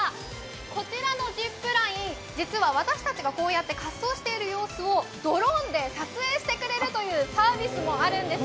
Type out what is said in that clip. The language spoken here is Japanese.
こちらのジップライン、実は私たちが滑走している様子をドローンで撮影してくれるというサービスもあるんです。